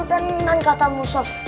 tenang kata musul